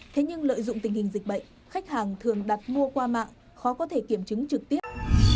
thế nhưng lợi dụng tình hình dịch bệnh khách hàng thường đặt mua qua mạng khó có thể kiểm chứng trực tiếp